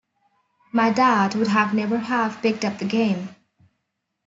My dad would have never have picked up the game.